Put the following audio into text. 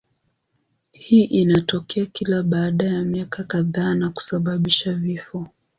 Hii inatokea kila baada ya miaka kadhaa na kusababisha vifo.